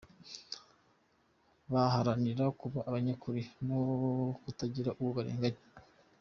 Baharanira kuba abanyakuri no kutagira uwo barenganya.